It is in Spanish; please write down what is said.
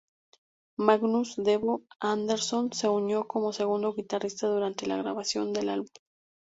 Magnus "Devo" Andersson se unió como segundo guitarrista durante la grabación del álbum.